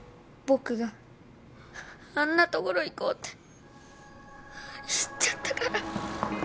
僕があんな所行こうって言っちゃったから。